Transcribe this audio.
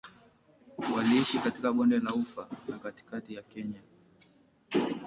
Waliishi katika Bonde la Ufa na katikati ya Kenya.